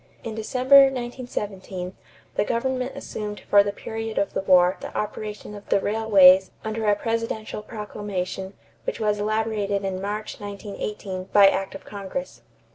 In December, 1917, the government assumed for the period of the war the operation of the railways under a presidential proclamation which was elaborated in March, 1918, by act of Congress.